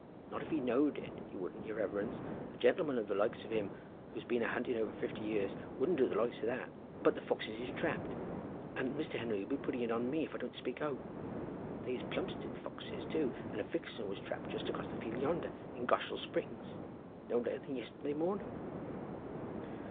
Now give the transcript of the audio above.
"Not if he knowed it, he wouldn't, your reverence. A gentleman of the likes of him, who's been a hunting over fifty year, wouldn't do the likes of that; but the foxes is trapped, and Mr. Henry 'll be a putting it on me if I don't speak out. They is Plumstead foxes, too; and a vixen was trapped just across the field yonder, in Goshall Springs, no later than yesterday morning."